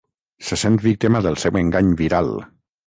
Se sent víctima del seu engany viral.